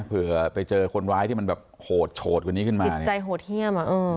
เผื่อไปเจอคนร้ายที่มันแบบโหดโฉดกว่านี้ขึ้นมาใจโหดเยี่ยม